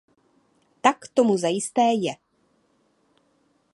Tak tomu zajisté je.